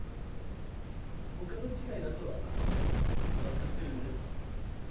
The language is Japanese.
お門違いだとは分かってるんです。